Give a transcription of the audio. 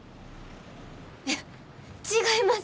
いや違います！